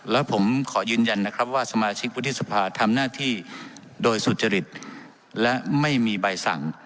และผมขอยืนยันนะครับว่าสมาชิกวุฒิสภาทำหน้าที่โดยสุจริตและไม่มีใบสั่ง